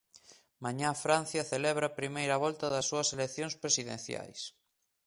Mañá Francia celebra a primeira volta das súas eleccións presidenciais.